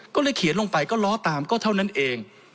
ก็เลยเขียนลงไปก็ล้อตามก็เท่านั้นเอง